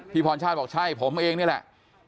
พรชาติบอกใช่ผมเองนี่แหละ